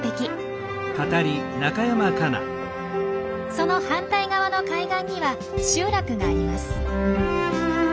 その反対側の海岸には集落があります。